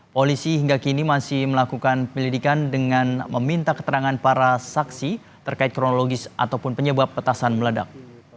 polisi hingga kini masih melakukan penyelidikan dengan meminta keterangan para saksi terkait kronologis ataupun penyebab petasan meledak